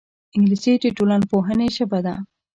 انګلیسي د ټولنپوهنې ژبه ده